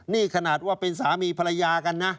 นี่ขนาดว่าเป็นสามีภรรยากันนะ